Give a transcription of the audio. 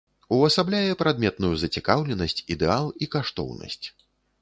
Увасабляе прадметную зацікаўленасць, ідэал і каштоўнасць.